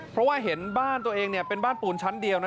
เพราะว่าเห็นบ้านตัวเองเป็นบ้านปูนชั้นเดียว